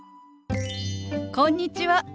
こんにちは。